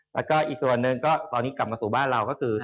แล้วก็อีกส่วนหนึ่งก็ตอนนี้กลับมาสู่บ้านเราก็คือ